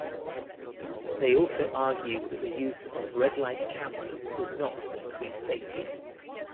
They also argue that the use of red light cameras does not increase safety.